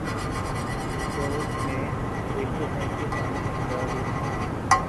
سؤر میں ایک سو پینتیس خامیاں نکال لیں